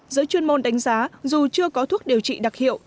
giới chuyên môn đánh giá dù chưa có thuốc điều trị đặc hiệu